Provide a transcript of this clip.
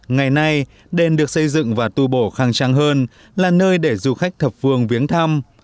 ngày nay đền được xây dựng và tu bổ khang trang hơn là nơi để du khách thập phương viếng thăm